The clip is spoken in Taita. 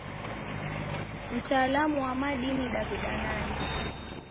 Mtalamu wa madini Daw'ida nani?